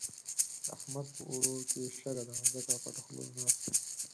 د احمد په اوړو کې شګه ده؛ ځکه پټه خوله ناست دی.